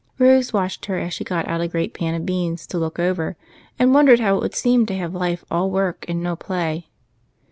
Rose watched her as she got out a great pan of beans to look over, and wondered how it would seem to have life all work and no play.